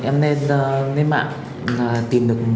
em lên mạng tìm được mối hợp